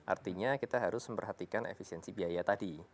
artinya kita harus memperhatikan efisiensi biaya tadi